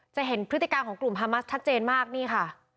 จะเห็นพฤติการของกลุ่มฮามัสชัดเจนมากนี่ค่ะ